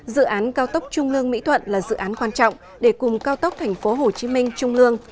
dự án cao tốc trung lương mỹ thuận là dự án quan trọng để cùng cao tốc thành phố hồ chí minh trung lương